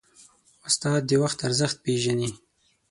استاد د وخت ارزښت پېژني.